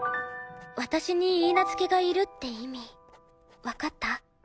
私に許嫁がいるって意味わかった？